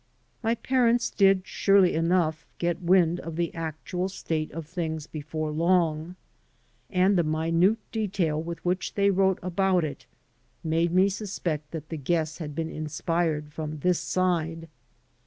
My parents did, surely enough, get wind of the actual state of things before long, and the minute detail with which they wrote about it made me suspect that the guess had been inspired from this side.